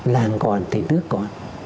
làng còn thì nước còn